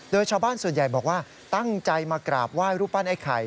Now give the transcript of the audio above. โดยชาวบ้านส่วนใหญ่บอกว่าตั้งใจมากราบไหว้รูปปั้นไอ้ไข่